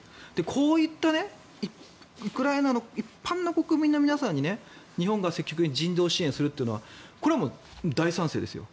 こういったウクライナの一般の国民の皆さんに日本が積極的に人道支援するというのはこれは大賛成ですよ。